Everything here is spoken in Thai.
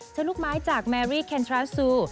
เช้าลูกไม้จากแมรรี่เคนทราซู